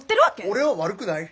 俺は悪くない。